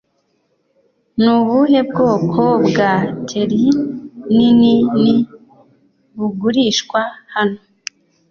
Nubuhe bwoko bwa Terrier Ninini bugurishwa hano